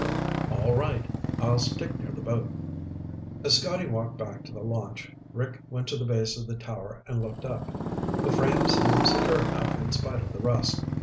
"All right. I'll stick near the boat." As Scotty walked back to the launch, Rick went to the base of the tower and looked up. The frame seemed secure enough in spite of the rust.